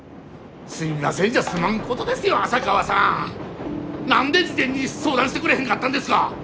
すみませんじゃ済まんことですよ浅川さん！何で事前に相談してくれへんかったんですか。